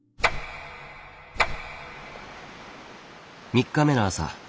３日目の朝。